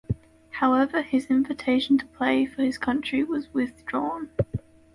However, the invitation to play for his country was withdrawn.